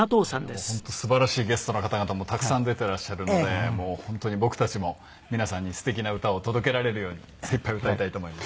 本当すばらしいゲストの方々もたくさん出ていらっしゃるので本当に僕たちも皆さんにすてきな歌を届けられるように精いっぱい歌いたいと思います。